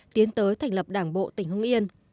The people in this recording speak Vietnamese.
tiến tới thành lập đảng bộ tỉnh hương nghiên